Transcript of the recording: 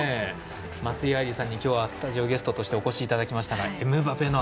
松井愛莉さんに今日はスタジオゲストとしてお越しいただきましたがエムバペの